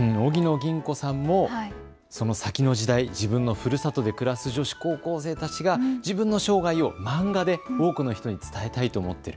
吟子さんもその先の時代、自分のふるさとで暮らす女子高校生たちが自分の生涯を漫画で多くの人に伝えたいと思っている。